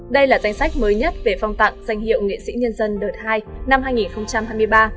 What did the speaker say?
đây là danh sách mới nhất về phong tặng danh hiệu nghệ sĩ nhân dân đợt hai năm hai nghìn hai mươi ba